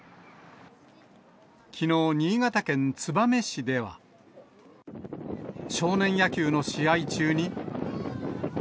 きのう新潟県燕市では、少年野球の試合中に。